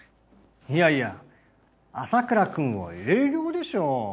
いやいや麻倉君は営業でしょ。